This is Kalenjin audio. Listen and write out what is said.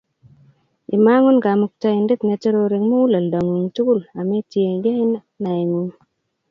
Imang'u Kamuktaindet ne Toroor eng' muguleldang'ung' tugul, ametiegei naeng'u.